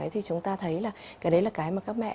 thì chúng ta thấy là cái đấy là cái mà các mẹ